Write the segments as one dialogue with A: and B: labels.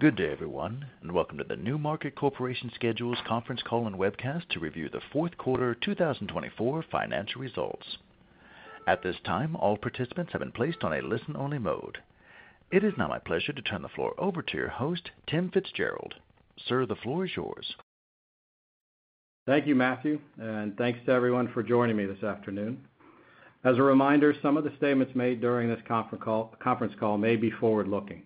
A: Good day, everyone, and welcome to the NewMarket Corporation Q4 Earnings Conference Call and Webcast to review the Q4 2024 financial results. At this time, all participants have been placed on a listen-only mode. It is now my pleasure to turn the floor over to your host, Tim Fitzgerald. Sir, the floor is yours.
B: Thank you, Matthew, and thanks to everyone for joining me this afternoon. As a reminder, some of the statements made during this conference call may be forward-looking.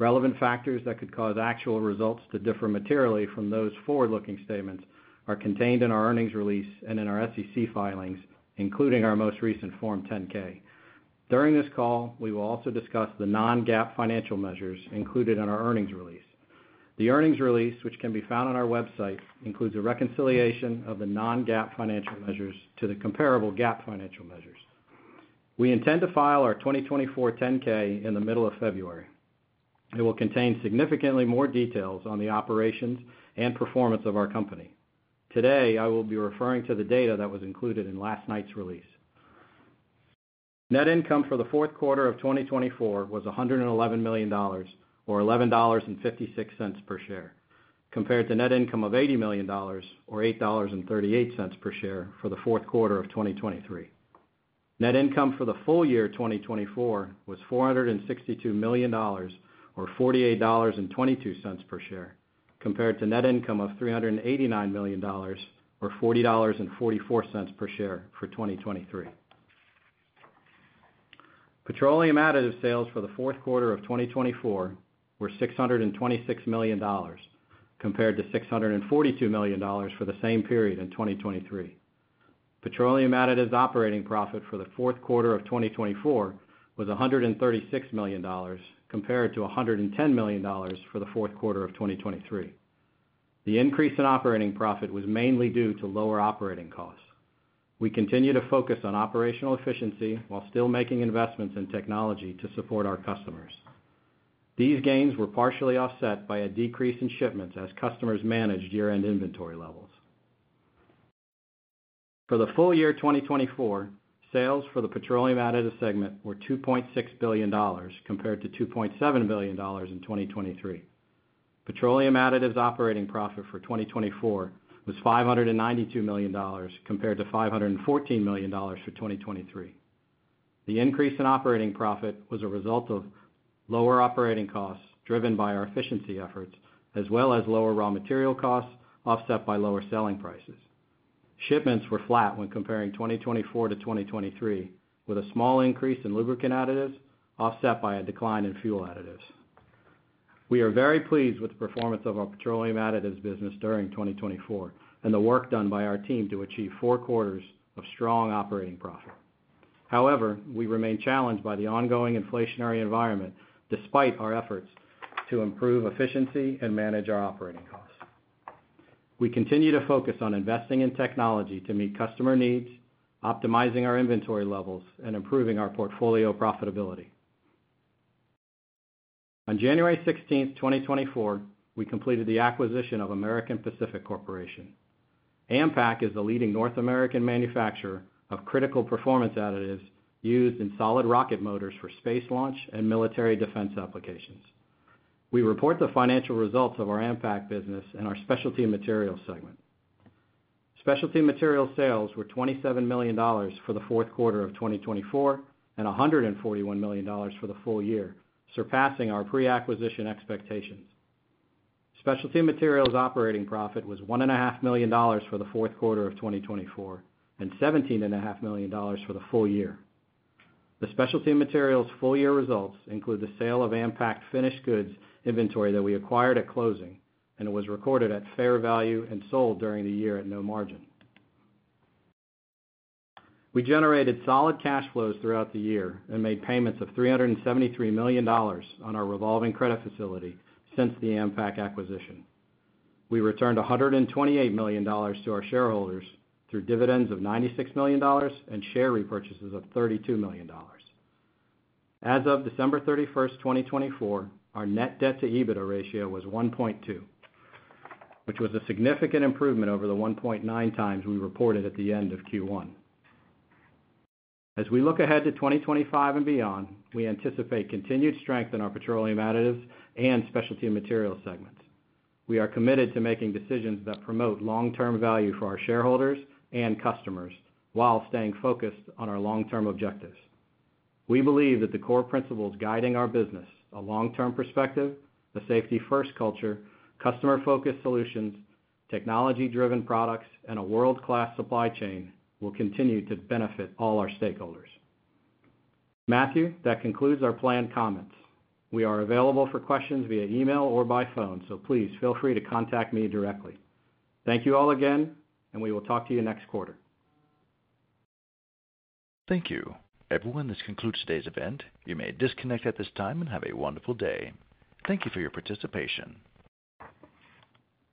B: Relevant factors that could cause actual results to differ materially from those forward-looking statements are contained in our earnings release and in our SEC filings, including our most recent Form 10-K. During this call, we will also discuss the non-GAAP financial measures included in our earnings release. The earnings release, which can be found on our website, includes a reconciliation of the non-GAAP financial measures to the comparable GAAP financial measures. We intend to file our 2024 10-K in the middle of February. It will contain significantly more details on the operations and performance of our company. Today, I will be referring to the data that was included in last night's release. Net income for the Q4 of 2024 was $111 million, or $11.56 per share, compared to net income of $80 million, or $8.38 per share, for the Q4 of 2023. Net income for the full year 2024 was $462 million, or $48.22 per share, compared to net income of $389 million, or $40.44 per share for 2023. Petroleum additive sales for the Q4 of 2024 were $626 million, compared to $642 million for the same period in 2023. Petroleum additive operating profit for the Q4 of 2024 was $136 million, compared to $110 million for the Q4 of 2023. The increase in operating profit was mainly due to lower operating costs. We continue to focus on operational efficiency while still making investments in technology to support our customers. These gains were partially offset by a decrease in shipments as customers managed year-end inventory levels. For the full year 2024, sales for the petroleum additive segment were $2.6 billion, compared to $2.7 billion in 2023. Petroleum additive operating profit for 2024 was $592 million, compared to $514 million for 2023. The increase in operating profit was a result of lower operating costs driven by our efficiency efforts, as well as lower raw material costs offset by lower selling prices. Shipments were flat when comparing 2024 to 2023, with a small increase in lubricant additives offset by a decline in fuel additives. We are very pleased with the performance of our petroleum additive business during 2024 and the work done by our team to achieve four quarters of strong operating profit. However, we remain challenged by the ongoing inflationary environment despite our efforts to improve efficiency and manage our operating costs. We continue to focus on investing in technology to meet customer needs, optimizing our inventory levels, and improving our portfolio profitability. On January 16, 2024, we completed the acquisition of American Pacific Corporation. AMPAC is the leading North American manufacturer of critical performance additives used in solid rocket motors for space launch and military defense applications. We report the financial results of our AMPAC business in our specialty materials segment. Specialty materials sales were $27 million for the Q4 of 2024 and $141 million for the full year, surpassing our pre-acquisition expectations. Specialty materials operating profit was $1.5 million for the Q4 of 2024 and $17.5 million for the full year. The specialty materials full-year results include the sale of AMPAC finished goods inventory that we acquired at closing, and it was recorded at fair value and sold during the year at no margin. We generated solid cash flows throughout the year and made payments of $373 million on our revolving credit facility since the AMPAC acquisition. We returned $128 million to our shareholders through dividends of $96 million and share repurchases of $32 million. As of December 31, 2024, our net debt-to-EBITDA ratio was 1.2, which was a significant improvement over the 1.9 times we reported at the end of Q1. As we look ahead to 2025 and beyond, we anticipate continued strength in our petroleum additives and specialty materials segments. We are committed to making decisions that promote long-term value for our shareholders and customers while staying focused on our long-term objectives. We believe that the core principles guiding our business, a long-term perspective, a safety-first culture, customer-focused solutions, technology-driven products, and a world-class supply chain, will continue to benefit all our stakeholders. Matthew, that concludes our planned comments. We are available for questions via email or by phone, so please feel free to contact me directly. Thank you all again, and we will talk to you next quarter.
A: Thank you. Everyone, this concludes today's event. You may disconnect at this time and have a wonderful day. Thank you for your participation.